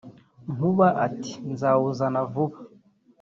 Nkuba ati “Nzawuzana vuba